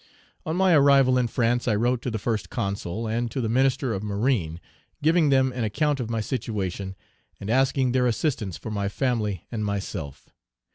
On my arrival in France I wrote to the First Consul and to the Minister of Marine, giving them an account of my situation, and asking their assistance for my family and myself.